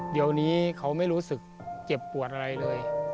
เดี๋ยวนี้เขาไม่รู้สึกเจ็บปวดอะไรเลย